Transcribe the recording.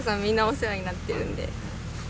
みんなお世話になってるんで。